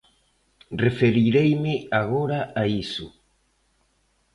Referireime agora a iso.